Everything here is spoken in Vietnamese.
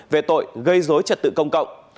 về tội gây dối trật tự công cộng